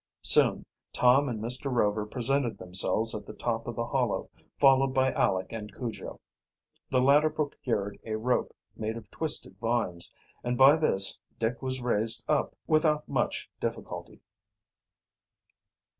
Soon Tom and Mr. Rover presented themselves at the top of the hollow, followed by Aleck and Cujo. The latter procured a rope made of twisted vines, and by this Dick was raised up without much difficulty.